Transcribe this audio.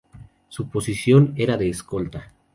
Su posición era de escolta.